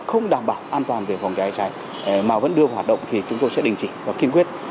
không đảm bảo an toàn về phòng cháy cháy mà vẫn đưa vào hoạt động thì chúng tôi sẽ đình chỉ và kiên quyết